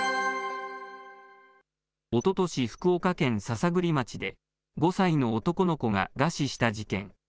おととし、福岡県篠栗町で、５歳の男の子が餓死した事件。